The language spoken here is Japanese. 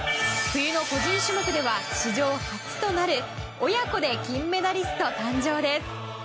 冬の個人種目では史上初となる親子で金メダリスト誕生です。